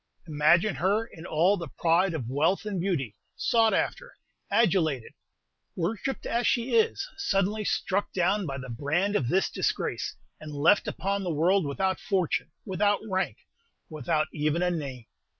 Imagine her in all the pride of wealth and beauty, sought after, adulated, worshipped as she is, suddenly struck down by the brand of this disgrace, and left upon the world without fortune, without rank, without even a name.